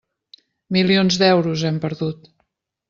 Milions d'euros, hem perdut.